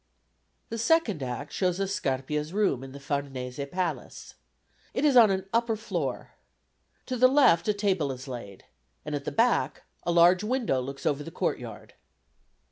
The second act shows us Scarpia's room in the Farnese Palace. It is on an upper floor. To the left a table is laid, and at the back a large window looks over the courtyard.